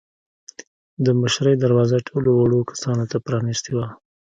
د مشرۍ دروازه ټولو وړو کسانو ته پرانیستې وه.